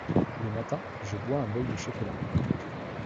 Le matin, je bois un bol de chocolat.